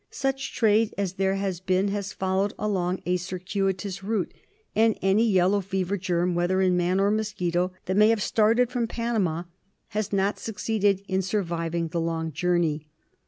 Such trade as there has been has followed along a circuitous route, and any yellow fever germ, whether in man or mosquito, that may have started from Panama, has not succeeded in surviving the long journey.